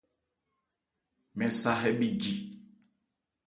Mɛn sa hɛ bhi ji.